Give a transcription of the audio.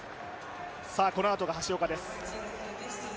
このあとが橋岡です。